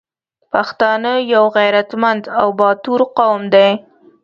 پښتانه یو غریتمند او باتور قوم دی